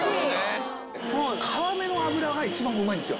皮目の脂が一番うまいんですよ。